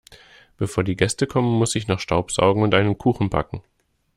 Bevor die Gäste kommen, muss ich noch staubsaugen und einen Kuchen backen.